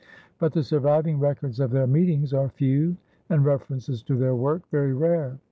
But the surviving records of their meetings are few and references to their work very rare.